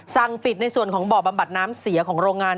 สั่งปิดในส่วนของบ่อบำบัดน้ำเสียของโรงงาน